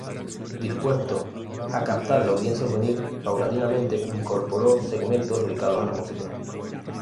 Dispuesto a captar la audiencia juvenil, paulatinamente incorporó segmentos dedicados a la música.